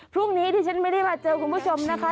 พรุ่งนี้ที่ฉันไม่ได้มาเจอคุณผู้ชมนะคะ